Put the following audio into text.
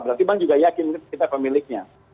berarti bank juga yakin kita pemiliknya